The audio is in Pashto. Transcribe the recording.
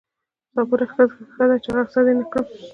صابره ښه ده چې غصه دې نه کړم